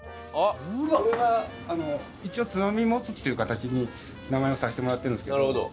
これは一応つまみモツっていう形に名前はさせてもらってるんですけど。